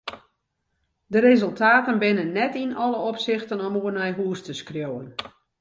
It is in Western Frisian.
De resultaten binne net yn alle opsichten om oer nei hús te skriuwen.